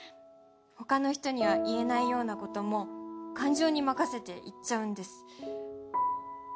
他の人には言えないようなことも感情に任せて言っちゃうんです。